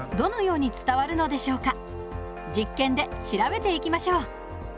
実験で調べていきましょう。